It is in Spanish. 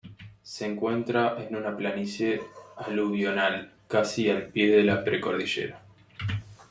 Se encuentra en una planicie aluvional casi al pie de la precordillera.